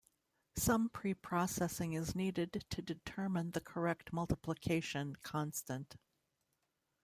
Some preprocessing is needed to determine the correct multiplication constant.